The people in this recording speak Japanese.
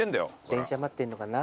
電車待ってんのかな？